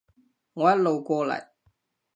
我一路過嚟